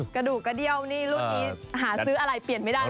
กระดูกกระเดี้ยวนี่รุ่นนี้หาซื้ออะไรเปลี่ยนไม่ได้เลย